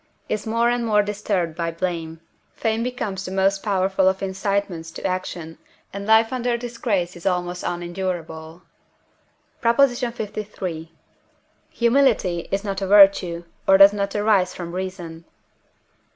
is more and more disturbed by blame, fame becomes the most powerful of incitements to action, and life under disgrace is almost unendurable. PROP. LIII. Humility is not a virtue, or does not arise from reason.